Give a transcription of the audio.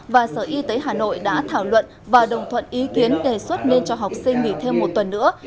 và sở y tế hà nội đã thảo luận và đồng thuận ý kiến đề xuất nên cho học sinh nghỉ thêm một tuần nữa